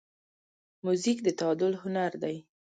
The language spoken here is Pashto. موزیک د تعادل هنر دی.